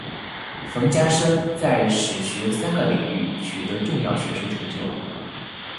冯家升在史学三个领域取得重要学术成就。